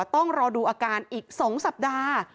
ต้องรอดูอาการอีก๒สัปดาห์